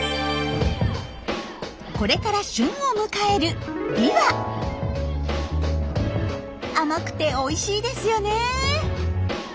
これから旬を迎える甘くておいしいですよねえ。